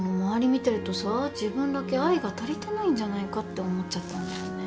見てるとさ自分だけ愛が足りてないんじゃないかって思っちゃったんだよね。